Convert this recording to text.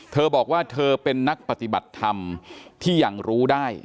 เธอบอกว่าเธอเป็นนักปฏิบัติธรรมที่ยังรู้ได้